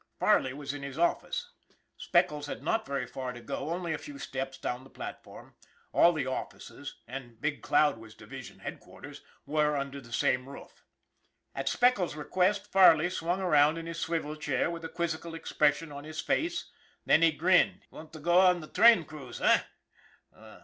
Farley was in his office. Speckles had not very far to go, only a few steps down the platform. All the offices and Big Cloud was division headquarters were under the same roof. At Speckles' request, Farley swung around in his swivel chair with a quizzical expression on his face. Then he grinned. " Want to go on with the train crews, eh